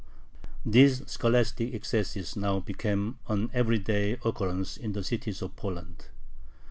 These scholastic excesses now became an everyday occurrence in the cities of Poland.